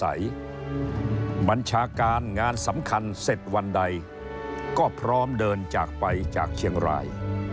บัญชาการงานสำคัญเสร็จวันใดก็พร้อมเดินจากไปจากเชียงราย